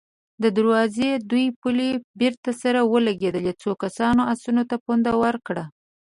د دروازې دوې پلې بېرته سره ولګېدې، څو کسانو آسونو ته پونده ورکړه.